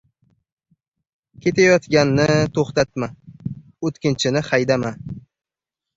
• Ketayotganni to‘xtatma, o‘tkinchini haydama.